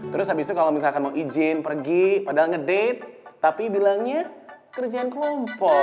terus habis itu kalau misalkan mau izin pergi padahal ngedete tapi bilangnya kerjaan kelompok